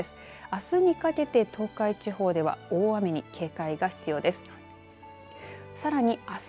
あすにかけて東海地方では大雨に警戒が必要です。